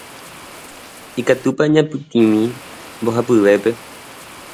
Ikatúpa eñapytĩmi mbohapyvépe.